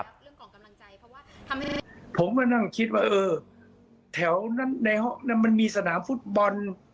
ผมก็นั่งคิดว่าแถวนั้นมันมีสนามฟุตบอล